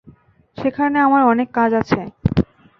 সেখানে আমার অনেক কাজ আছে।